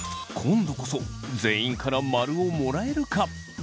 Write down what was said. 今度こそ全員からマルをもらえるか。